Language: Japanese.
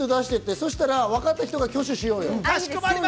そしたらわかった人から挙手しようよ。